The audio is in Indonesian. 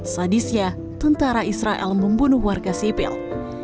sadisnya tentara israel membunuh warga sipil